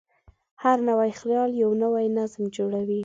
هر نوی خیال یو نوی نظم جوړوي.